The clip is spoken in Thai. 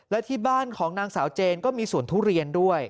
และที่บ้านของนางสาวเจนก็มีสวนทุเรียนด้วย